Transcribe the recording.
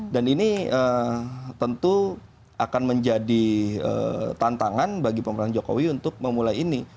dan ini tentu akan menjadi tantangan bagi pemerintahan jokowi untuk memulai ini